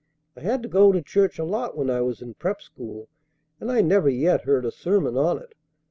I had to go to church a lot when I was in prep school, and I never yet heard a sermon on it.